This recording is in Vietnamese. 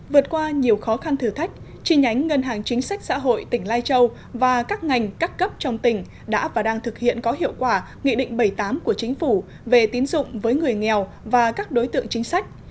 vượt qua nhiều khó khăn thử thách chi nhánh ngân hàng chính sách xã hội tỉnh lai châu và các ngành các cấp trong tỉnh đã và đang thực hiện có hiệu quả nghị định bảy mươi tám của chính phủ về tín dụng với người nghèo và các đối tượng chính sách